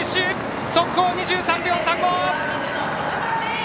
速報２３秒３５！